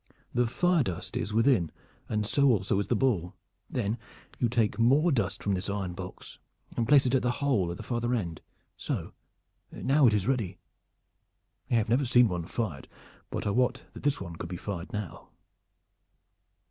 The fire dust is within and so also is the ball. Then you take more dust from this iron box and place it in the hole at the farther end so. It is now ready. I have never seen one fired, but I wot that this one could be fired now."